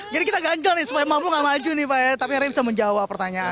jadi kita ganjel nih supaya mampu nggak maju nih pak ya tapi harusnya bisa menjawab pertanyaan